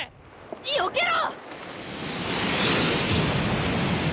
よけろ！